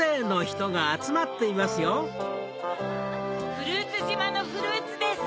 フルーツじまのフルーツです。